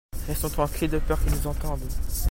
Restons tranquille de peur qu'il nous entende.